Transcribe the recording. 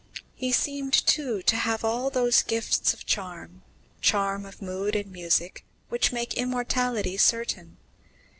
He seemed, too, to have all those gifts of charm charm of mood and music which make immortality certain.